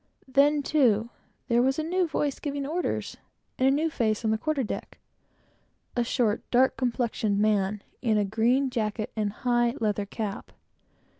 Then, too, there was a new voice giving orders, and a new face on the quarter deck, a short, dark complexioned man, in a green jacket and a high leather cap.